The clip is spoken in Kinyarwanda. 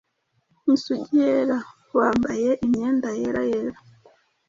Isugi yera! wambaye imyenda yera yera,